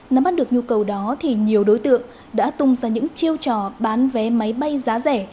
nắm bắt được nhu cầu đó thì nhiều đối tượng đã tung ra những chiêu trò bán vé máy bay giá rẻ